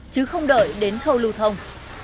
chứ không đợi đến khâu lưu thông